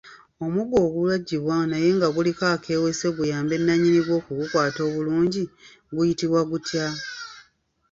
Omuggo ogubajjibwa naye nga guliko akeeweese kayambe nnyini gwo okugukwata obulungi guyitibwa gutya?